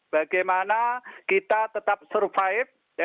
bagaimana kita tetap survive